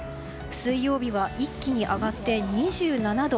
水曜日は一気に上がって２７度。